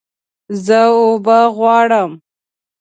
زه اوبه غواړم